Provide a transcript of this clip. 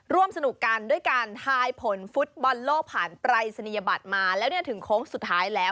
ร่วมสนุกกันด้วยการทายผลฟุตบอลโลกผ่านปรายศนียบัตรมาแล้วเนี่ยถึงโค้งสุดท้ายแล้ว